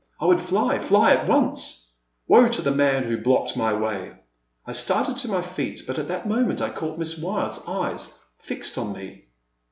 I would fly — ^fly at once ! Woe to the man who blocked my way ! I started to my feet, but at that moment I caught Miss Wyeth's eyes fixed on mine.